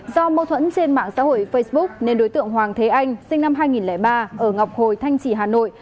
do mâu thuẫn trên mạng xã hội facebook nên đối tượng hoàng thế anh sinh năm hai nghìn ba ở ngọc hồi thanh trì hà nội